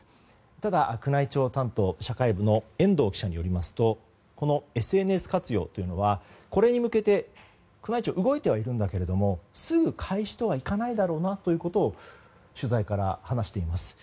ただ、社会部宮内庁担当の遠藤記者によりますとこのＳＮＳ活用というのはこれに向けて宮内庁動いてはいるんだけれどもすぐ開始とはいかないだろうなということを取材から話しています。